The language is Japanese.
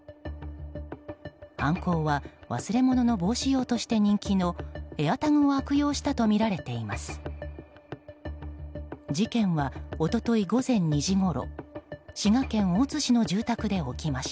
犯行は忘れ物の防止用として人気のＡｉｒＴａｇを悪用したとみられています。